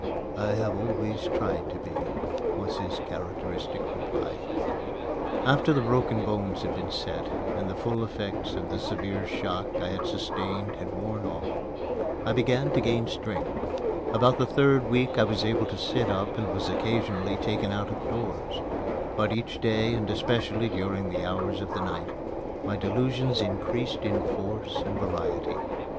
"I have always tried to be," was his characteristic reply. After the broken bones had been set, and the full effects of the severe shock I had sustained had worn off, I began to gain strength. About the third week I was able to sit up and was occasionally taken out of doors But each day, and especially during the hours of the night, my delusions increased in force and variety.